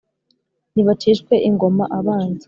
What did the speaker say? nibacishwe ingoma abanzi,